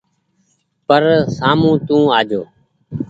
پر سآمو تو آجو ۔